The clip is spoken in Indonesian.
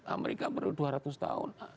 amerika baru dua ratus tahun